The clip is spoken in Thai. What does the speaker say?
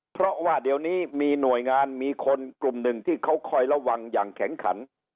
เพราะว่าเดี๋ยวนี้มีหน่วยงานมีคนกลุ่มหนึ่งที่เขาคอยระวังอย่างแข็งขัน